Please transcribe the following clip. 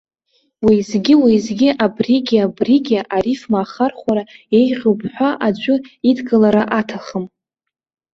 Уеизгьы-уеизгьы абригьы-абригьы арифма ахархәара еиӷьуп ҳәа аӡәы идгылара аҭахым.